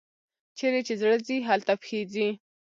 چیري چي زړه ځي، هلته پښې ځي.